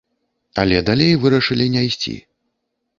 Але далей вырашылі не ісці.